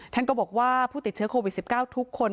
ท่านก็บอกว่าผู้ติดเชื้อโควิด๑๙ทุกคน